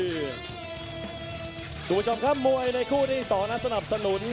คุณผู้ชมครับมวยในคู่ที่๒นั้นสนับสนุน